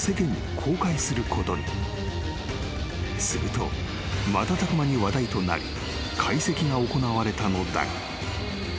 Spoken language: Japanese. ［すると瞬く間に話題となり解析が行われたのだが］